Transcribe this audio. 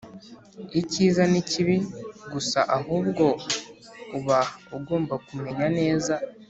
icyiza n ikibi gusa Ahubwo uba ugomba kumenya neza